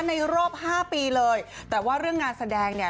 ในรอบห้าปีเลยแต่ว่าเรื่องงานแสดงเนี่ย